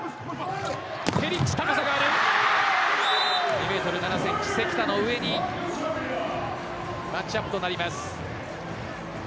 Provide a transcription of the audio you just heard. ２ｍ７ｃｍ、関田の上にマッチアップとなります。